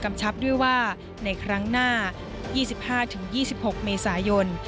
กำชับด้วยว่าในครั้งหน้ายี่สิบห้าถึงยี่สิบหกเมษายน